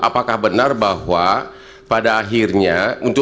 apakah benar bahwa pada akhirnya untuk